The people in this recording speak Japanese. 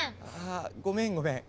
あごめんごめん。